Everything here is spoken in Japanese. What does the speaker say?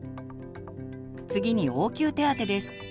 次に応急手当てです。